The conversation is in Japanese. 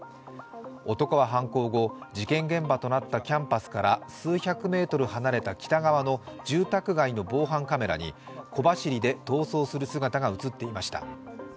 男は犯行後、事件現場となったキャンパスから数百メートル離れた住宅街の防犯カメラに小走りで逃走する姿が映っていました。